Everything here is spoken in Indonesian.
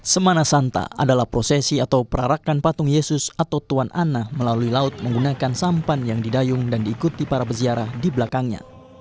semana santa adalah prosesi atau perarakan patung yesus atau tuan ana melalui laut menggunakan sampan yang didayung dan diikuti para peziarah di belakangnya